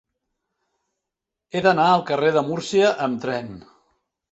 He d'anar al carrer de Múrcia amb tren.